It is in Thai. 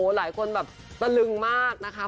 หลายคนแบบตะลึงมากนะคะ